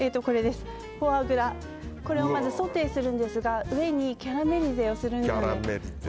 フォアグラをまずソテーするんですが上にキャラメリゼをするんです。